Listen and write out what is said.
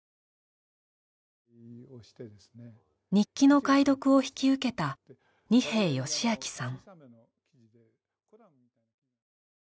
日記の解読を引き受けた仁平義明さん。